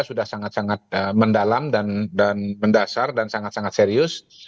sudah sangat sangat mendalam dan mendasar dan sangat sangat serius